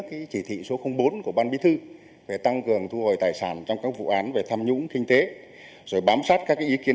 cái chỉ thị số bốn của ban bí thư về tăng cường thu hồi tài sản trong các vụ án về tham nhũng kinh tế